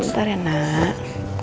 bentar ya nak